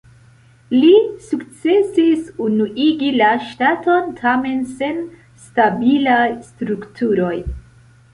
Li sukcesis unuigi la ŝtaton, tamen sen stabilaj strukturoj.